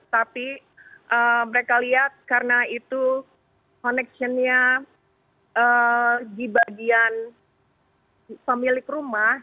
tapi mereka lihat karena itu connectionnya di bagian pemilik rumah